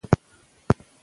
صداقت د نجات لار ده.